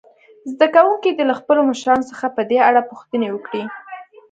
زده کوونکي دې له خپلو مشرانو څخه په دې اړه پوښتنې وکړي.